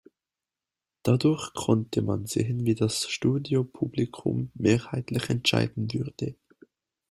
Dadurch konnte man sehen, wie das Studiopublikum mehrheitlich entscheiden würde.